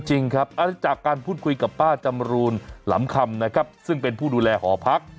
จริงครับจากการพูดคุยกับป้าจำรูนหลำคำนะครับซึ่งเป็นผู้ดูแลหอพัก